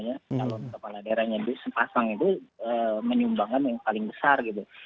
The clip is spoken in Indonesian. calon kepala daerahnya sepasang itu menyumbangkan yang paling besar gitu